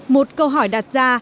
một câu hỏi đặt ra